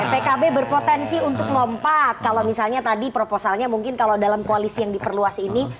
pkb berpotensi untuk lompat kalau misalnya tadi proposalnya mungkin kalau dalam koalisi yang diperluas ini